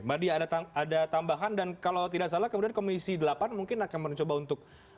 mbak dia ada tambahan dan kalau tidak salah kemudian komisi delapan mungkin akan mencoba untuk